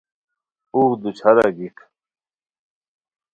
اوغ دوچھارا گیک